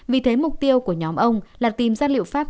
vì thế mục tiêu của nhóm ông là tìm ra liệu pháp